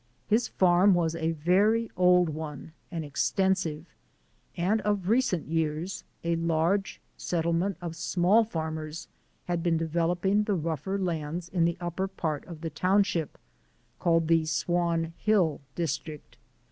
His farm was a very old one and extensive, and of recent years a large settlement of small farmers had been developing the rougher lands in the upper part of the townships called the Swan Hill district.